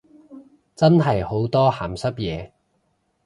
真係好多鹹濕嘢